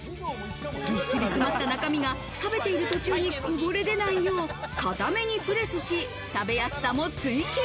ぎっしり詰まった中身が食べている途中にこぼれ出ないよう、かためにプレスし、食べやすさも追求。